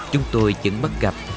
chúng tôi vẫn mất gặp